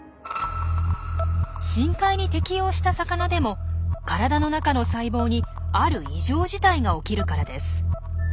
深海に適応した魚でも体の中の細胞にある異常事態が起きるからです。